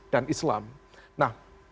dan islam nah